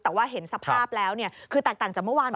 แต่ว่าเห็นสภาพแล้วคือต่างจากเมื่อวานเหมือนกัน